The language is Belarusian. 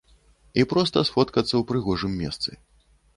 І проста сфоткацца ў прыгожым месцы.